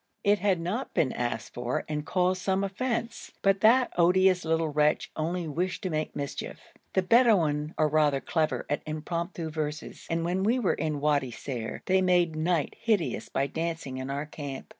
It had not been asked for and caused some offence, but that odious little wretch only wished to make mischief. The Bedouin are rather clever at impromptu verses, and when we were in Wadi Ser they made night hideous by dancing in our camp.